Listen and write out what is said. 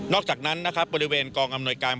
อกจากนั้นนะครับบริเวณกองอำนวยการ